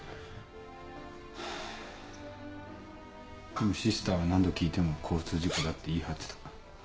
でもシスターは何度聞いても交通事故だって言い張ってた。